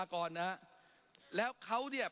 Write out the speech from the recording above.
ปรับไปเท่าไหร่ทราบไหมครับ